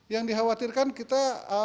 yang dikhawatirkan kita